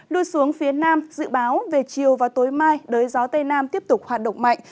lui xuống phía nam dự báo về chiều và tối mai đới gió tây nam tiếp tục hoạt động mạnh